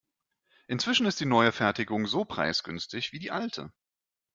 Inzwischen ist die neue Fertigung so preisgünstig wie die alte.